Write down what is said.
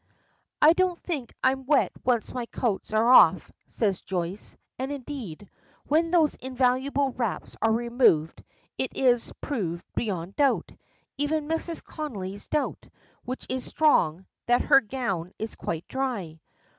"I don't think I'm wet once my coats are off," says Joyce; and indeed, when those invaluable wraps are removed; it is proved beyond doubt even Mrs. Connolly's doubt, which is strong that her gown is quite dry.